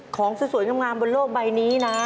ของสวยงามบนโลกใบนี้นะ